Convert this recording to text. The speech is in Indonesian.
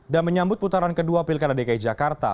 dan menyambut putaran kedua pilkada dki jakarta